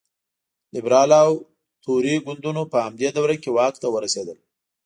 لېبرال او توري ګوندونو په همدې دوره کې واک ته ورسېدل.